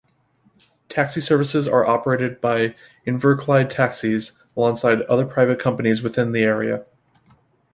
Taxi Services are operated by Inverclyde Taxis alongside other private companies within the area.